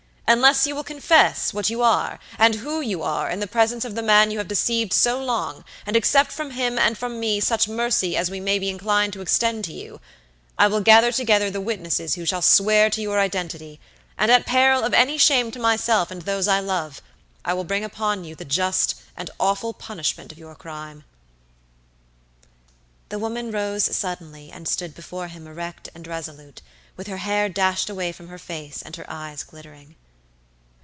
Unless you will confess what you are and who you are in the presence of the man you have deceived so long, and accept from him and from me such mercy as we may be inclined to extend to you, I will gather together the witnesses who shall swear to your identity, and at peril of any shame to myself and those I love, I will bring upon you the just and awful punishment of your crime." The woman rose suddenly and stood before him erect and resolute, with her hair dashed away from her face and her eyes glittering.